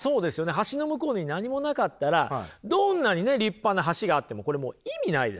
橋の向こうに何もなかったらどんなにね立派な橋があってもこれもう意味ないですよね？